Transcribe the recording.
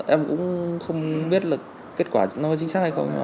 em cũng không biết là kết quả nó chính xác hay không